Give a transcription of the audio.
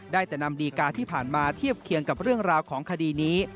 ได้แต่นำดีการที่ผ่านมาเทียบเคียงกับเรื่องราวของคดีนี้